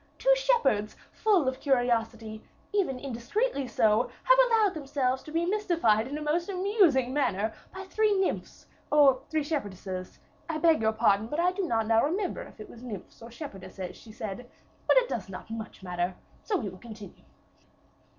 Two shepherds, full of curiosity, even indiscreetly so, have allowed themselves to be mystified in a most amusing manner by three nymphs, or three shepherdesses,' I beg your pardon, but I do not now remember if it was nymphs or shepherdesses she said; but it does not much matter, so we will continue."